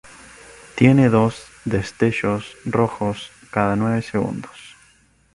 Tiene dos destellos rojos cada nueve segundos.